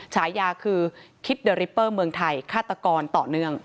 ฉายาคือคิดเดอริปเปอร์เมืองไทยฆาตกรต่อเนื่อง